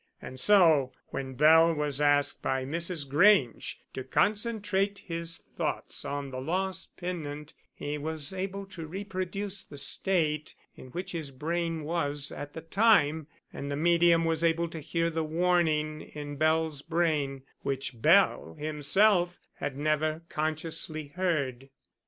And so when Bell was asked by Mrs. Grange to concentrate his thoughts on the lost pendant he was able to reproduce the state in which his brain was at the time, and the medium was able to hear the warning in Bell's brain which Bell himself had never consciously heard."